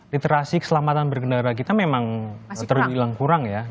literasi keselamatan berkendara kita memang terbilang kurang ya